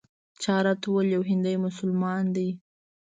چا راته وویل یو هندي مسلمان دی.